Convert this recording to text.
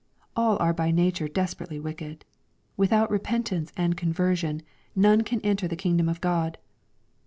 All are by nature desperately wicked. Without repentance and conversion, none can enter the kingdom of God.